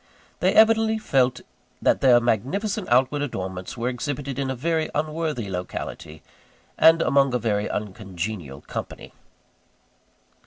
They evidently felt that their magnificent outward adornments were exhibited in a very unworthy locality, and among a very uncongenial company.